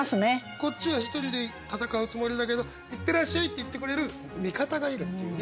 こっちは１人で戦うつもりだけど「いってらっしゃい」って言ってくれる味方がいるっていうね。